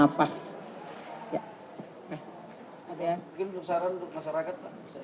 mungkin saran untuk masyarakat